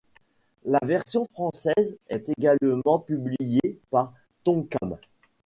La version française est également publiée par Tonkam.